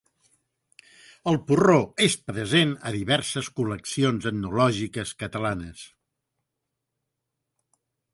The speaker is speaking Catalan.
El porró és present a diverses col·leccions etnològiques catalanes.